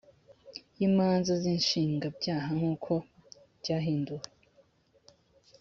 y imanza z inshinjabyaha nk uko ryahinduwe